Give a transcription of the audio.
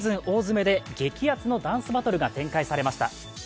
大詰めで激アツのダンスバトルが展開されました。